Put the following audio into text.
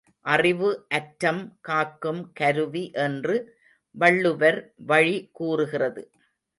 அறிவு அற்றம் காக்கும் கருவி என்று வள்ளுவர் வழி கூறுகிறது.